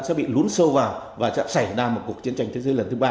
sẽ bị lún sâu vào và sẽ xảy ra một cuộc chiến tranh thế giới lần thứ ba